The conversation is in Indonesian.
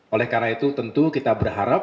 oleh karena itu tentu kita berharap